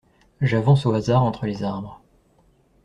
J’avance au hasard entre les arbres.